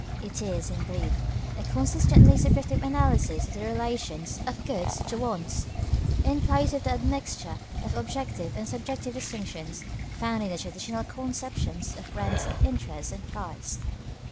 It is, in brief, a consistently subjective analysis of the relations of goods to wants, in place of the admixture of objective and subjective distinctions found in the traditional conceptions of rent, interest, and price.